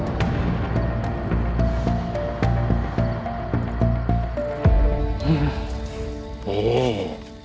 เนี่ย